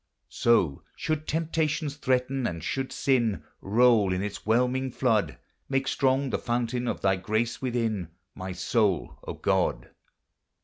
So, should temptations threaten, and should sin Roll in its whelming flood, Make strong the fountain of thy grace within My soul, O God